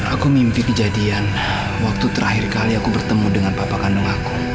aku mimpi kejadian waktu terakhir kali aku bertemu dengan bapak kandung aku